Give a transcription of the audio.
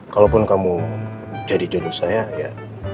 kalaupun kamu jadi jodoh saya ya